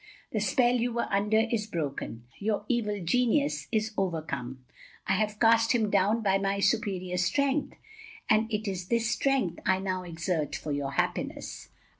The spell you were under is broken. Your evil genius is overcome. I have cast him down by my superior strength, and it is this strength I now exert for your happiness.